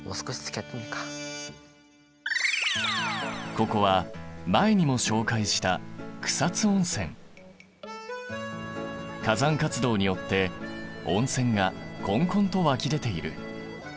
ここは前にも紹介した火山活動によって温泉がこんこんと湧き出ている。